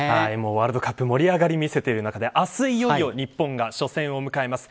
ワールドカップ盛り上がりを見せている中で明日いよいよ日本が初戦を迎えます。